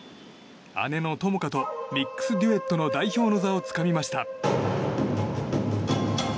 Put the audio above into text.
姉の友花とミックスデュエットの代表の座をつかみました。